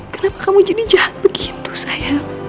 kenapa kamu jadi jahat begitu sayang